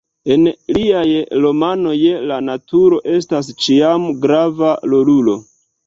En liaj romanoj la naturo estas ĉiam grava rolulo.